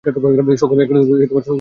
সকলে শুরু করো।